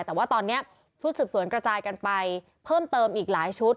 แต่ว่าตอนนี้ชุดสืบสวนกระจายกันไปเพิ่มเติมอีกหลายชุด